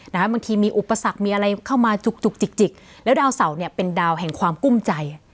บางทีมีอุปสรรคมีอะไรเข้ามาจุกจุกจิกจิกแล้วดาวเสาเนี่ยเป็นดาวแห่งความกุ้มใจ